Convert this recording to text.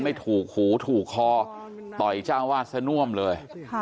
หูคอต่อยเจ้าวาดซะน่วมเลย